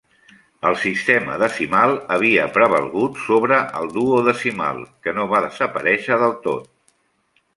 El sistema decimal havia prevalgut sobre el duodecimal, que no va desaparèixer del tot.